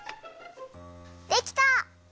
できた！